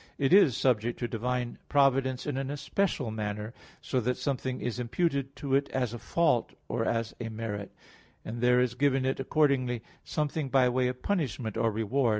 10), it is subject to divine providence in an especial manner, so that something is imputed to it as a fault, or as a merit; and there is given it accordingly something by way of punishment or reward.